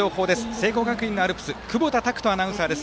聖光学院のアルプス久保田拓人アナウンサーです。